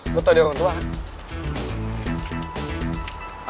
lo tau dia orang tua kan